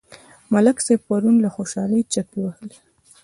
ملک صاحب پرون له خوشحالۍ چکې وهلې.